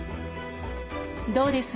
どうです？